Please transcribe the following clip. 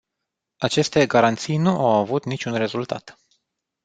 Aceste garanții nu au avut niciun rezultat.